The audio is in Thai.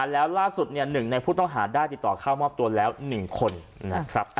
แล้วล่าสุด๑ในผู้ต้องหาได้ติดต่อเข้ามอบตัวแล้ว๑คนนะครับ